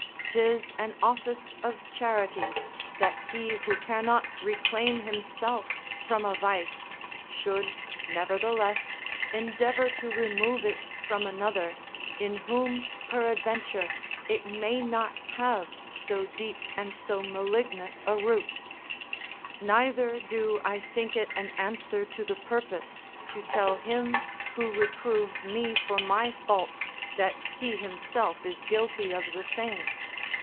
'Tis an office of charity, that he who cannot reclaim himself from a vice, should, nevertheless, endeavour to remove it from another, in whom, peradventure, it may not have so deep and so malignant a root; neither do him who reproves me for my fault that he himself is guilty of the same.